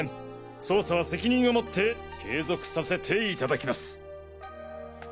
捜査は責任をもって継続させていただきます。